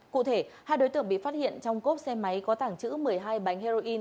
cụ thể hai đối tượng bị phát hiện trong cốp xe máy có tàng trữ một mươi hai bánh heroin